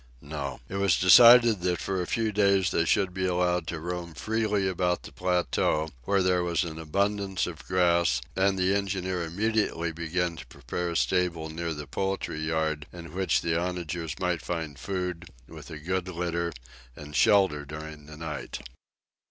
No. It was decided that for a few days they should be allowed to roam freely about the plateau, where there was an abundance of grass, and the engineer immediately began to prepare a stable near the poultry yard, in which the onagers might find food, with a good litter, and shelter during the night.